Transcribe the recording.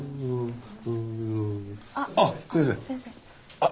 あっ。